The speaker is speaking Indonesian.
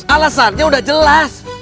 alasannya udah jelas